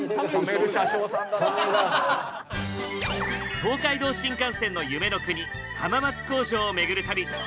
東海道新幹線の夢の国浜松工場を巡る旅。